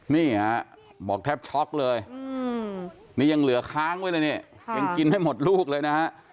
นี่ฮะบอกแทบช็อกเลยนี่ยังเหลือค้างไว้เลยเนี่ยยังกินให้หมดลูกเลยนะฮะ